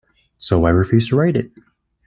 So I refused to write it.